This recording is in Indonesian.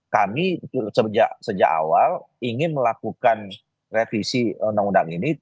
kami sejak awal ingin melakukan revisi undang undang ini